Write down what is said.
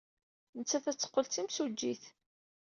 Nettat ad teqqel d timsujjit.